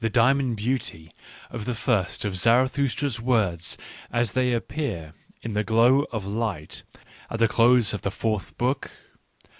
diamond beauty of the first of Zarathustra's words as they appear in a glow of light at the close of the fourth book